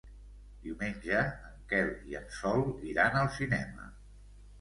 Diumenge en Quel i en Sol iran al cinema.